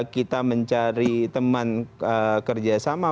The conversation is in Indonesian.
kita mencari teman kerja sama